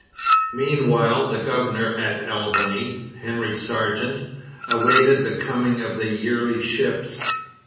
Meanwhile the governor at Albany, Henry Sargeant, awaited the coming of the yearly ships.